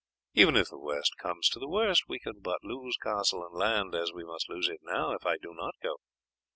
Even if the worst comes to the worst we can but lose castle and land, as we must lose it now if I do not go.